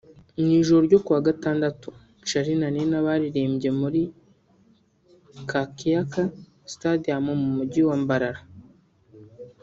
Mu ijoro ryo kuwa Gatandatu Charly na Nina baririmbiye kuri Kakyeka Stadium mu Mujyi wa Mbarara